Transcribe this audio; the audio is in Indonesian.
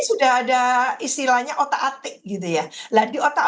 sudah ada istilahnya otak atik gitu ya